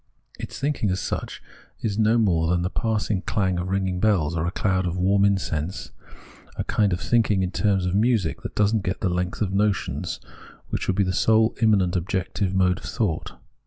Its thinking as such is no more than the passing clang of ringing bells, or a cloud of warm incense, a kind of thinking in terms of music, that does not get the length of notions, which would be the sole, immanent objective mode of thought.